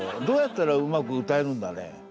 どうやったらうまく歌えるんだね。